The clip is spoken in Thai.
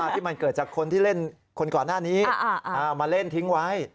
ที่มันเกิดจากคนที่เล่นคนก่อนหน้านี้มาเล่นทิ้งไว้